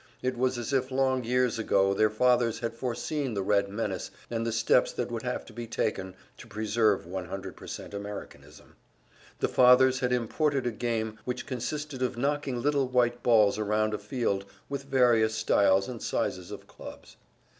It was as if long years ago their fathers had foreseen the Red menace, and the steps that would have to be taken to preserve 100% Americanism; the fathers had imported a game which consisted of knocking little white balls around a field with various styles and sizes of clubs.